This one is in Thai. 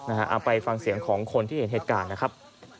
เอาไปฟังเสียงของคนที่เห็นเหตุการณ์นะครับ